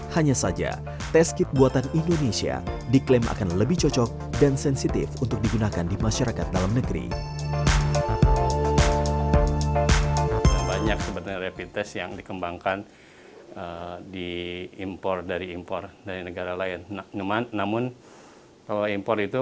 hanya saja test kit buatan indonesia diklaim akan lebih cocok dan sensitif untuk digunakan di masyarakat dalam negeri